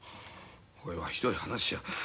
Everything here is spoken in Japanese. こいはひどい話や。